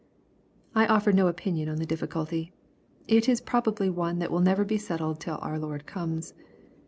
I ofier no opinion on the difficulty. It is probably one that will never be settled till the Lord comes.